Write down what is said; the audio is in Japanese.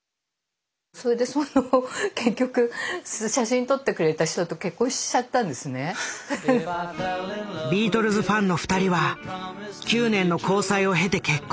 それでその結局写真撮ってくれた人とビートルズファンの２人は９年の交際を経て結婚。